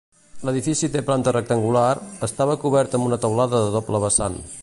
L'edifici té planta rectangular, estava cobert amb una teulada de doble vessant.